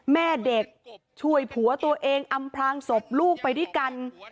แม่เด็กช่วยผัวตัวเองอำพลางศพลูกไปด้วยกัน